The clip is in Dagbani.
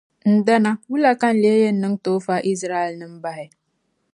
Ndana, wula ka n lee yɛn niŋ n-tooi fa Izraɛlnima bahi?